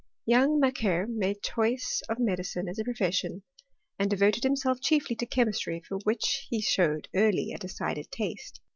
* Young Macquer made choice of medi cine as a profession, and devoted himself chiefly to chemistry, for which he showed early a decided taste.